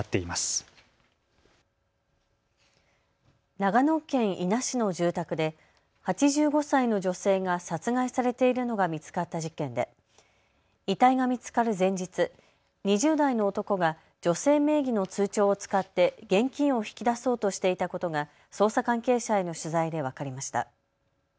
長野県伊那市の住宅で８５歳の女性が殺害されているのが見つかった事件で遺体が見つかる前日、２０代の男が女性名義の通帳を使って現金を引き出そうとしていたことが捜査関係者への取材で分かりました。